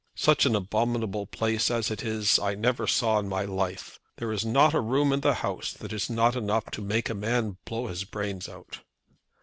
Such an abominable place as it is I never saw in my life. There is not a room in the house that is not enough to make a man blow his brains out."